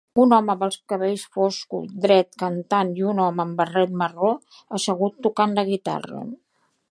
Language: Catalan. Un home amb els cabells foscos dret cantant i un home amb barret marró assegut tocant la guitarra.